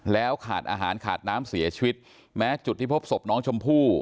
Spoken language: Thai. แล้วขาดอาหารขาดน้ำเสียชีวิตแม้จุดที่พบศพน้องชมพู่